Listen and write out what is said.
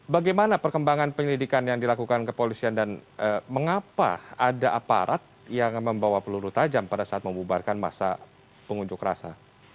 bagaimana perkembangan penyelidikan yang dilakukan kepolisian dan mengapa ada aparat yang membawa peluru tajam pada saat membubarkan masa pengunjuk rasa